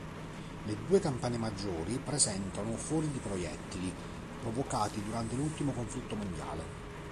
Le due campane maggiori presentano fori di proiettili, provocati durante l'ultimo conflitto mondiale.